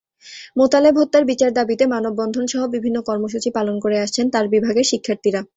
মোতালেব হত্যার বিচার দাবিতে মানববন্ধনসহ বিভিন্ন কর্মসূচি পালন করে আসছেন তাঁর বিভাগের শিক্ষার্থীরা।